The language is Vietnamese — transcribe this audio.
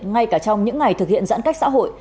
ngay cả trong những ngày thực hiện giãn cách xã hội